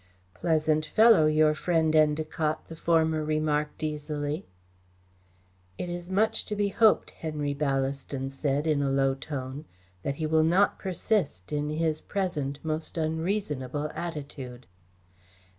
"Pleasant fellow, your friend Endacott!" the former remarked easily. "It is much to be hoped," Henry Ballaston said, in a low tone, "that he will not persist in his present most unreasonable attitude."